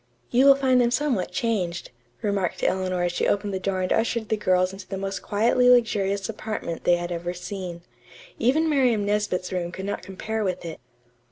"You will find them somewhat changed," remarked Eleanor as she opened the door and ushered the girls into the most quietly luxurious apartment they had ever seen. Even Miriam Nesbit's room could not compare with it.